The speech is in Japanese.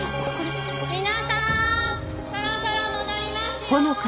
皆さんそろそろ戻りますよ！